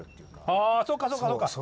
ああそうかそうかそうか。